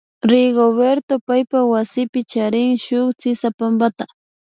Rigoberto paypa wasipi charin shuk sisapampata